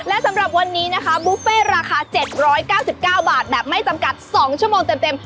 และสำหรับวันนี้นะคะบุฟเฟ่ราคา๗๙๙บาทแบบไม่จำกัด๒ชั่วโมงเต็ม